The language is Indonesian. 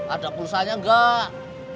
ada pula usahanya enggak